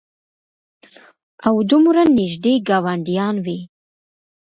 او دومره نېږدې ګاونډيان وي